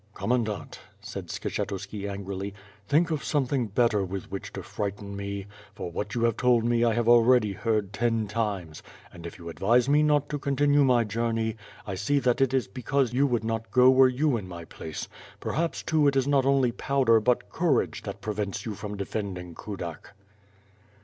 "Commandant," said Skshetuski angrily, "think of some thing better with which to frighten me; for what you have told me I have already heard ten times, and if you advise me not to con^tinue my journey, I see that it is because you would not go were you in my place — ^perhaps, too, it is not only powder but courage that prevents you from defending Kudak."